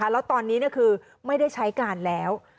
แล้วตอนนี้คือไม่ได้ใช้การแล้ว